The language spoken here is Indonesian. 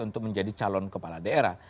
untuk menjadi calon kepala daerah